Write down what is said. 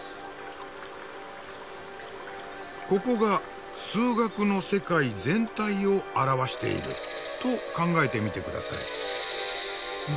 ここが「数学の世界」全体を表していると考えてみて下さい。